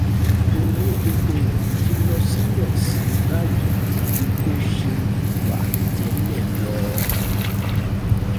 Owó epo rọ̀bì ti lọ sílẹ̀ síi báyìí ju bó ṣe wà tẹ́lẹ̀ lọ.